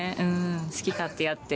好き勝手やって。